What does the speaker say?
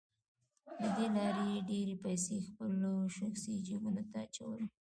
له دې لارې يې ډېرې پيسې خپلو شخصي جيبونو ته اچولې.